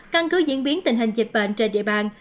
căn cứ diễn biến tình hình dịch bệnh trên địa bàn